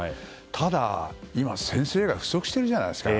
ただ、先生が不足しているじゃないですか。